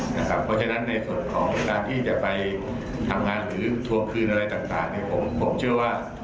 เพราะฉะนั้นในส่วนของการที่จะไปทำงานหรือทวงคืนอะไรต่างผมเชื่อว่า